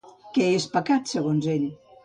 Què és pecat, segons ell?